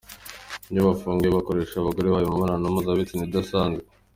Iyo bafunguwe bakoresha abagore babo imibonano mpuzabitsina idasanzwe